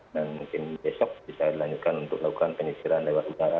dan mungkin besok bisa dilanjutkan untuk melakukan penyisiran lewat utara